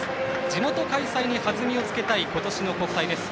地元開催に弾みをつけたい今年の国体です。